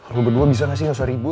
lo berdua bisa gak sih gak usah ribut